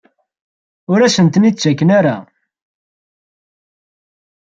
Ur asen-ten-id-ttaken ara?